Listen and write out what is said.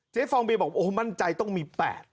เจฟองเบียบอกว่ามั่นใจต้องมี๘